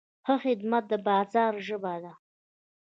ښه خدمت د بازار ژبه ده.